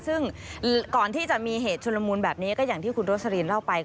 ซึ่งก่อนที่จะมีเหตุชุลมูลแบบนี้ก็อย่างที่คุณโรสลินเล่าไป